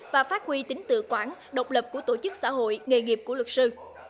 và phát huy tính tự quản độc lập của tổ chức xã hội nghề nghiệp của luật sư